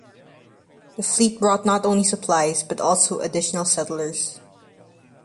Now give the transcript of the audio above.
The fleet brought not only supplies, but also additional settlers.